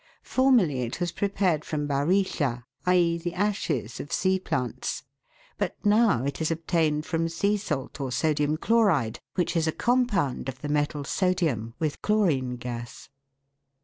Formerly it was prepared from barilla i.e., the ashes of sea plants but now it is obtained from sea salt or sodium chloride, which is a compound of the metal sodium with chlorine gas.